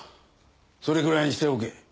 それぐらいにしておけ。